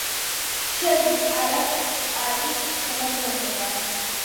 შედის პარას შტატის შემადგენლობაში.